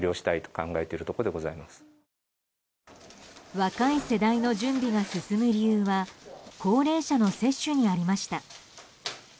若い世代の準備が進む理由は高齢者の接種にありました。